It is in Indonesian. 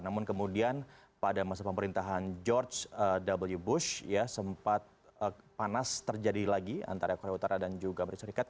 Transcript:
namun kemudian pada masa pemerintahan george w bush ya sempat panas terjadi lagi antara korea utara dan juga amerika serikat